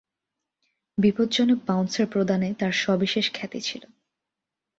বিপজ্জনক বাউন্সার প্রদানে তার সবিশেষ খ্যাতি ছিল।